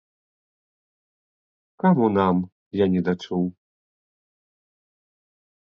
Каму нам, я недачуў?